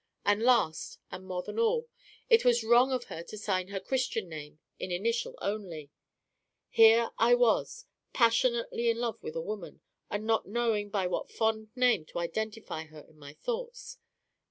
And last, and more than all, it was wrong of her to sign her Christian name in initial only. Here I was, passionately in love with a woman, and not knowing by what fond name to identify her in my thoughts!